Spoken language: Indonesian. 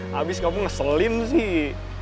habis kamu ngeselin sih